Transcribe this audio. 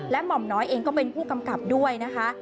หม่อมน้อยเองก็เป็นผู้กำกับด้วยนะคะ